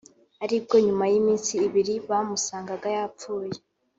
ari bwo nyuma y’iminsi ibiri bamusangaga yapfuye